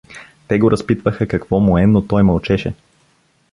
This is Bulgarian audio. Те го разпитваха какво му е, но той мълчеше.